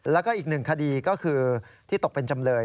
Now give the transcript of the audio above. แล้วก็อีกหนึ่งคดีก็คือที่ตกเป็นจำเลย